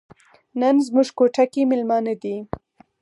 نن زموږ کوټه کې میلمانه دي.